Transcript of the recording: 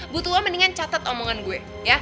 butua mendingan catat omongan gue